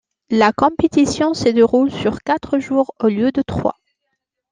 La compétition se déroule sur quatre jours au lieu de trois.